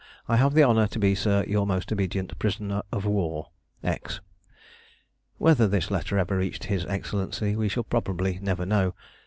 I have the honour to be, sir, your most obedient prisoner of war, X." Whether this letter ever reached His Excellency we shall probably never know.